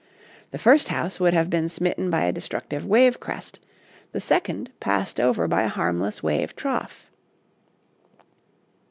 The first house would have been smitten by a destructive wave crest, the second passed over by a harmless wave trough.